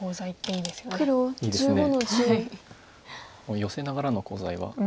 ヨセながらのコウ材は。